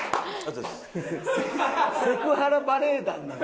セクハラバレエ団なんよ。